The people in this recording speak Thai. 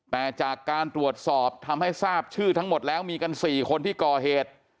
แต่จากการตรวจสอบทำให้ทราบชื่อทั้งหมดแล้วมีกัน๔คนที่ก่อเหตุ